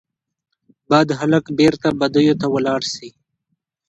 بد هلک بیرته بدیو ته ولاړ سي